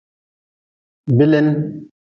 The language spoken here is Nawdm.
Bilin.